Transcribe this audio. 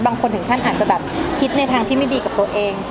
บางคนถึงขั้นอาจจะแบบคิดในทางที่ไม่ดีกับตัวเอง